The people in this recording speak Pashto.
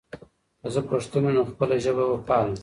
که زه پښتون یم، نو خپله ژبه به پالم.